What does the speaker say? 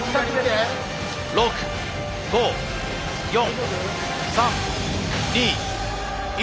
６５４３２１。